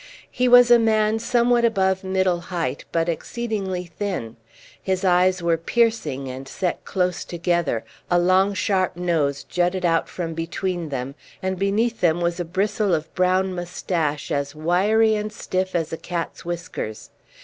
He was a man somewhat above middle height, but exceedingly thin. His eyes were piercing and set close together, a long sharp nose jutted out from between them, and beneath them was a bristle of brown moustache as wiry and stiff as a cat's whiskers.